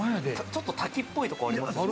ちょっと滝っぽいところありますよ。